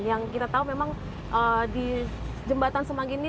yang kita tahu memang di jembatan semanggi ini